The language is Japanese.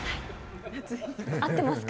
合ってます。